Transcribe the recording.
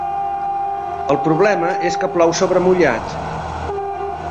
El problema és que plou sobre mullat.